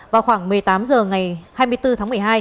vào khoảng một mươi tám h ngày hai mươi bốn tháng một mươi hai